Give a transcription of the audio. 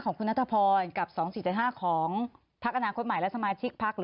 ๒๔๗๕ของคุณนัทพรกับ๒๔๗๕ของพรรคอนาคต์ใหม่และสมาชิกพรรค